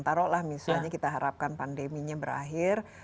taruh lah misalnya kita harapkan pandeminya berakhir